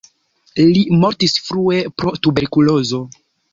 Li mortis frue pro tuberkulozo.